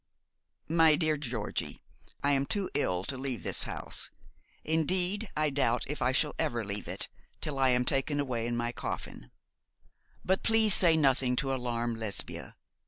'My dear Georgie, 'I am too ill to leave this house; indeed I doubt if I shall ever leave it till I am taken away in my coffin; but please say nothing to alarm Lesbia.